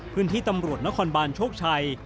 พื้นที่ตำรวจนครบาลชกชัย